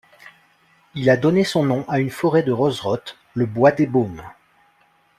Il a donné son nom à une forêt de Rozerotte, le bois des Baumes.